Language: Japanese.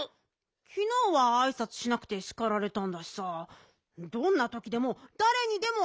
きのうはあいさつしなくてしかられたんだしさどんなときでもだれにでもあいさつしなくちゃ。